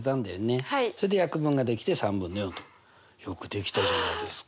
よくできたじゃないですか。